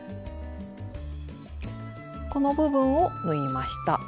この部分を縫いました。